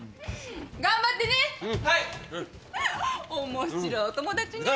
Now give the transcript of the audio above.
面白いお友達ね。